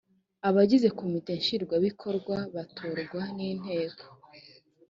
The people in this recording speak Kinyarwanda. abagize komite nshingwabikorwa batorwa n inteko